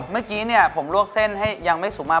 เมื่อกี้ผมลวกเส้นให้ยังไม่สูงมาก